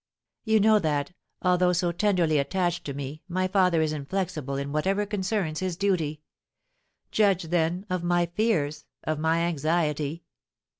You know that, although so tenderly attached to me, my father is inflexible in whatever concerns his duty; judge, then, of my fears, of my anxiety.